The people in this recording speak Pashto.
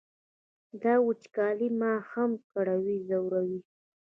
دا وچکالي ما هم کړوي ځوروي یې.